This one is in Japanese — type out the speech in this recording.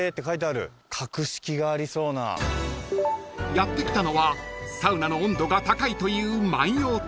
［やって来たのはサウナの温度が高いという万葉亭］